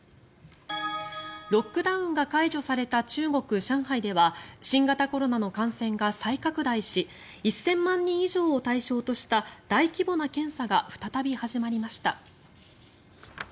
ロックダウンが解除された中国・上海では新型コロナの感染が再拡大し１０００万人以上を対象とした大規模な検査が再び始まりました。